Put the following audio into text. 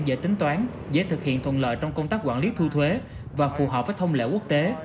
dễ tính toán dễ thực hiện thuận lợi trong công tác quản lý thu thuế và phù hợp với thông lệ quốc tế